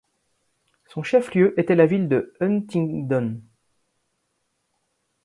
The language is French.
Son chef-lieu était la ville de Huntingdon.